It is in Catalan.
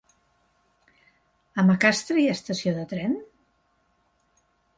A Macastre hi ha estació de tren?